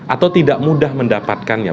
atau tidak mudah mendapatkannya